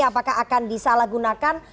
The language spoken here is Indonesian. apakah akan disalahgunakan